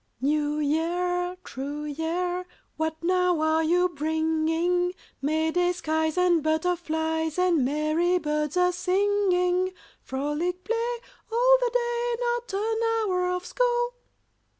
"NEW YEAR, true year, What now are you bringing? May day skies and butterflies, And merry birds a singing? Frolic, play, all the day, Not an hour of school?"